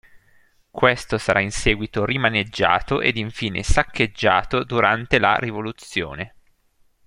Questo sarà in seguito rimaneggiato ed infine saccheggiato durante la Rivoluzione.